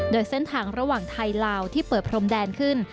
โดยเส้นทางระหว่างไทยลาวที่เปิดพรมแดนขึ้น